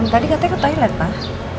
tadi katanya ke toilet pak